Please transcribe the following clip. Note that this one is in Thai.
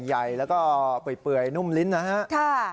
ใหญ่แล้วก็เปื่อยนุ่มลิ้นนะฮะ